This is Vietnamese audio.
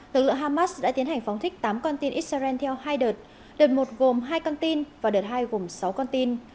lực lượng hamas đã tiến hành phóng thích tám con tin israel theo hai đợt đợt một gồm hai con tin và đợt hai gồm sáu con tin